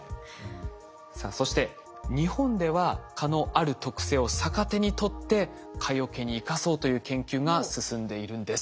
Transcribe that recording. さあそして日本では蚊のある特性を逆手にとって蚊よけに生かそうという研究が進んでいるんです。